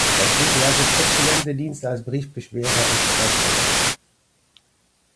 Das Buch leistet exzellente Dienste als Briefbeschwerer und Staubfänger.